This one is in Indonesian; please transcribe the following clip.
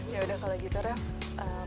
ya udah kalo gitu rev